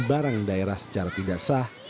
barang daerah secara tidak sah